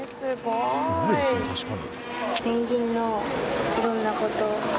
すごいですね、確かに。